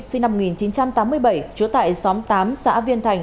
sinh năm một nghìn chín trăm tám mươi bảy trú tại xóm tám xã viên thành